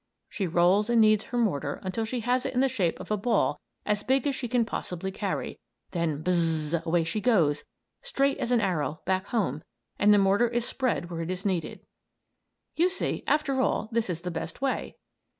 She rolls and kneads her mortar until she has it in the shape of a ball as big as she can possibly carry. Then "buz z z z!" Away she goes, straight as an arrow, back home, and the mortar is spread where it is needed. You see, after all, this is the best way.